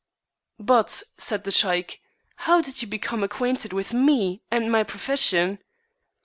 " But," said the Sheik, " how did you become acquainted with me and my pro fession?"